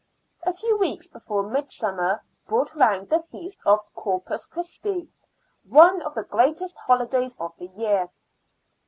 A few weeks before midsummer brought round the feast of Corpus Christi, one of the greatest holidays of the year.